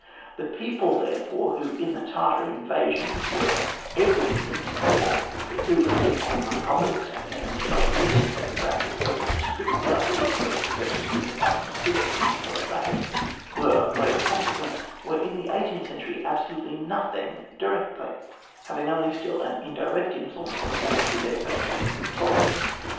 The people, therefore, who in the Tartar invasions were everything in war, who, in the old republics, and in the Middle Ages, (if we restrict the idea to those possessing the rights of citizens,} were of great consequence, were in the eighteenui century, absolutely nothing directly, having only still an indirect influence on the war through their virtues and faults.